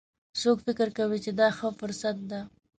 څوک فکر کوي چې دا ښه فرصت ده